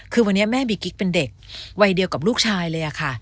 คือวันนี้แม่บีกิ๊กเป็นเด็กวัยเดียวกับลูกชายเลยค่ะ